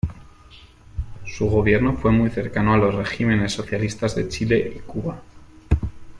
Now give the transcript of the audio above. Su gobierno fue muy cercano a los regímenes socialistas de Chile y Cuba.